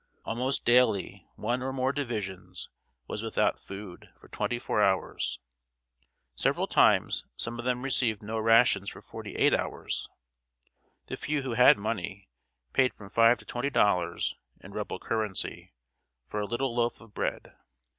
Almost daily one or more divisions was without food for twenty four hours. Several times some of them received no rations for forty eight hours. The few who had money, paid from five to twenty dollars, in Rebel currency, for a little loaf of bread.